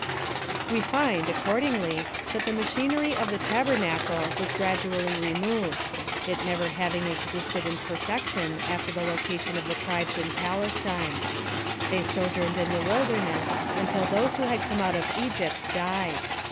We find, accordingly, that the machinery of the tabernacle was gradually removed ; it never having existe/1 in perfection after the location of the tribes in Palestme. They sojourned in the wilderness until those who had come out of Egypt died.